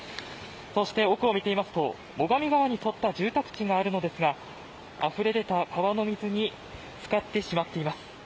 そして奥を見てみますと最上川に沿った住宅地があるのですがあふれ出た川の水につかってしまっています。